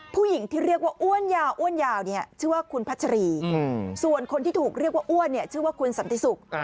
ผู้หญิงที่เรียกว่าอ้วนยาวอ้วนยาวเนี่ยชื่อว่าคุณพัชรีส่วนคนที่ถูกเรียกว่าอ้วนชื่อว่าคุณสันติศุกร์